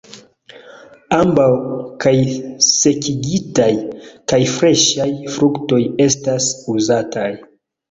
Ambaŭ, kaj sekigitaj kaj freŝaj fruktoj estas uzataj.